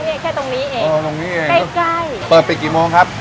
เนี้ยแค่ตรงนี้เองอ๋อตรงนี้เองใกล้ใกล้เปิดไปกี่โมงครับ